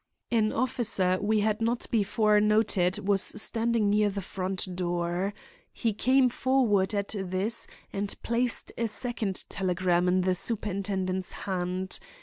An officer we had not before noted was standing near the front door. He came forward at this and placed a second telegram in the superintendent's hand.